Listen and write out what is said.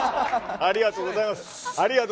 ありがとうございます。